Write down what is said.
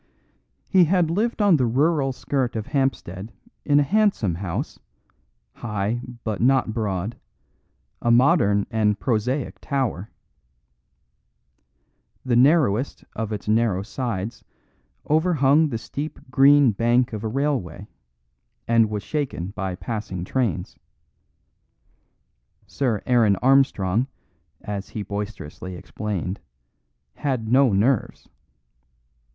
He had lived on the rural skirt of Hampstead in a handsome house, high but not broad, a modern and prosaic tower. The narrowest of its narrow sides overhung the steep green bank of a railway, and was shaken by passing trains. Sir Aaron Armstrong, as he boisterously explained, had no nerves.